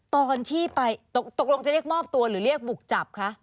ตอนที่ไปตกลงจะเรียกมอบตัวหรือเรียกบุกจับคะ